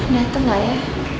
nyata gak ya